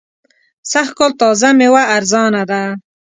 سږ کال تازه مېوه ارزانه ده.